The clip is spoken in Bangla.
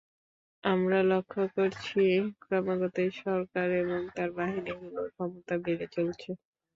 আমরা লক্ষ করছি, ক্রমাগতই সরকার এবং তার বাহিনীগুলোর ক্ষমতা বেড়ে চলেছে।